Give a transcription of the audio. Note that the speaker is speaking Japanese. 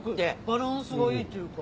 バランスがいいっていうか。